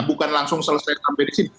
bukan langsung selesai sampai di sini